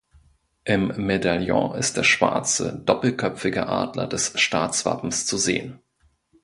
Im Medaillon ist der schwarze doppelköpfige Adler des Staatswappens zu sehen.